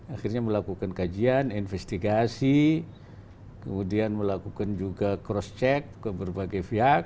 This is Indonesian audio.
akhirnya melakukan kajian investigasi kemudian melakukan juga cross check ke berbagai pihak